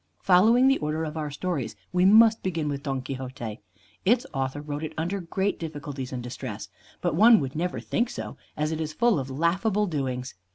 Following the order of our stories we must begin with "Don Quixote." Its author wrote it under great difficulties and distress; but one would never think so, as it is full of laughable doings.